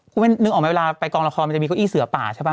คุณนึกออกไหมเวลาไปกองละครมันจะมีเก้าอี้เสือป่าใช่ป่